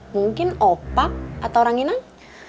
mungkin opak atau orang inang